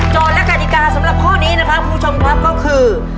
และกฎิกาสำหรับข้อนี้นะครับคุณผู้ชมครับก็คือ